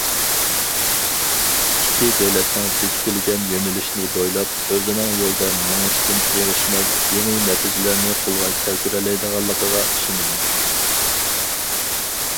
ئىككى دۆلەتنىڭ بېكىتىلگەن يۆنىلىشنى بويلاپ، ئۆزىنىڭ يولىدا مېڭىشتىن ئېغىشماي، يېڭى نەتىجىلەرنى قولغا كەلتۈرەلەيدىغانلىقىغا ئىشىنىمەن.